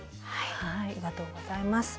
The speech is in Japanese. ありがとうございます。